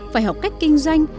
phải học cách kinh doanh